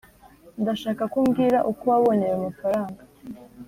ndashaka ko umbwira uko wabonye ayo mafaranga,